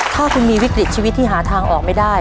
ถ้าคุณมีวิกฤตชีวิตที่หาทางออกไม่ได้